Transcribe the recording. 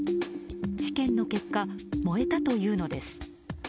試験の結果、燃えたというのです。